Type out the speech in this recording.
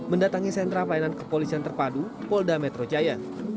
mendatangi sentra pelayanan kepolisian terpadu polda metro jaya